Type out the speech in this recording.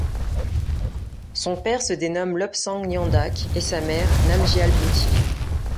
Son père se dénomme Lobsang Nyendak et sa mère Namgyal Bhuti.